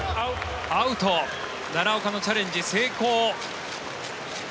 奈良岡のチャレンジ、成功。